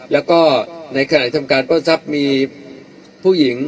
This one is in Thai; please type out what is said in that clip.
แล้วก็ในขณะทำการปล้นทรัพย์มีผู้หญิง